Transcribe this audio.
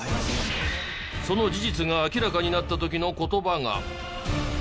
その事実が明らかになった時の言葉が。